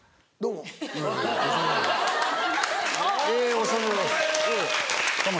お世話になりますどうも。